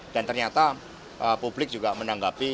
dan ternyata publik juga menanggapi